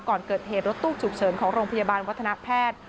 ก่อนเกิดเหตุรถตู้ฉุกเฉินของโรงพยาบาลวัฒนาแพทย์